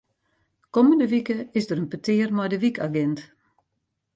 Kommende wike is der in petear mei de wykagint.